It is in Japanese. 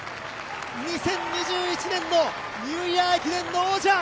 ２０２１年のニューイヤー駅伝の王者。